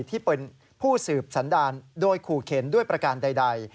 ที่เป็นผู้สืบสันดารโดยขู่เข็นด้วยประการใด